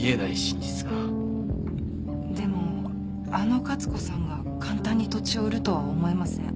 でもあの勝子さんが簡単に土地を売るとは思えません。